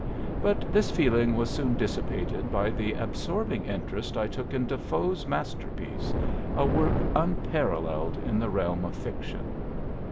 But this feeling was soon dissipated by the absorbing interest I took in De Foe's masterpiece, a work unparalleled in the realm of fiction.